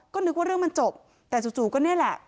ก็นึกว่าเรื่องมันจบแต่จู่ก็นี่แหละ